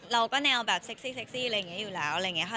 เราก็แนวแบบเซ็กซี่เซ็กซี่อะไรอย่างนี้อยู่แล้วอะไรอย่างนี้ค่ะ